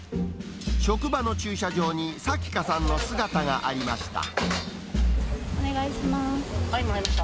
職場の駐車場にさきかさんの姿がありました。